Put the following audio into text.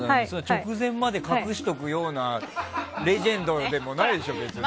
直前まで隠しておくようなレジェンドでもないでしょ、別に。